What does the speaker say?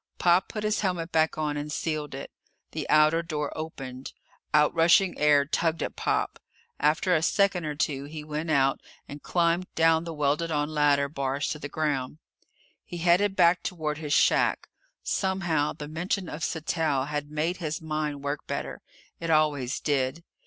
Pop put his helmet back on and sealed it. The outer door opened. Outrushing air tugged at Pop. After a second or two he went out and climbed down the welded on ladder bars to the ground. He headed back toward his shack. Somehow, the mention of Sattell had made his mind work better. It always did.